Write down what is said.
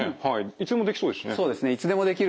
いつでもできそうですしね。